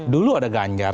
dulu ada ganjar